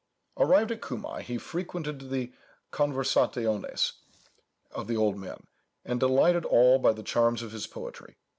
Arrived at Cumæ, he frequented the converzationes of the old men, and delighted all by the charms of his poetry.